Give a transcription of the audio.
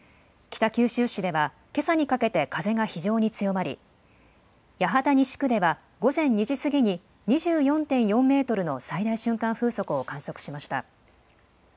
北九州市では、けさにかけて風が非常に強まり、八幡西区では午前２時過ぎに２４．４メートルの最大瞬間風速を観測しました。